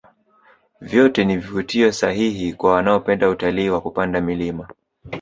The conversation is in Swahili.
vyote ni vivutio sahihi kwa wanaopenda utalii wa kupanda milima